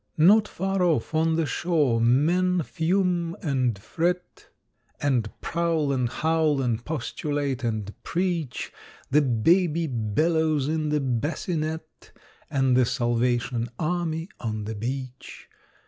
= Not far off, on the shore, men fume and fret, `And prowl and howl and postulate and preach, The Baby bellows in the bassinet, `And the Salvation Army on the beach.